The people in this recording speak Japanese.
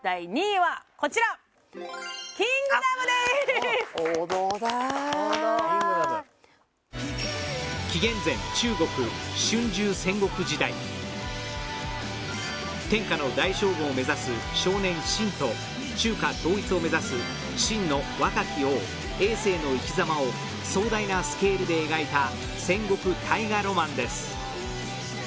王道だ「キングダム」紀元前天下の大将軍を目指す少年信と中華統一を目指す秦の若き王えい政の生きざまを壮大なスケールで描いた戦国大河ロマンです